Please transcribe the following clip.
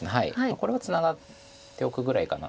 これはツナがっておくぐらいかなと。